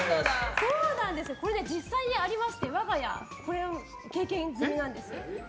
これね、実際にありまして我が家これ、経験済みなんですよ。